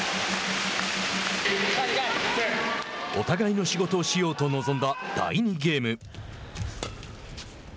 お互いの仕事をしようと臨んだ第２ゲーム。